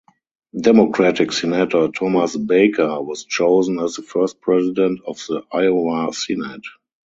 Democratic Senator Thomas Baker was chosen as the first President of the Iowa Senate.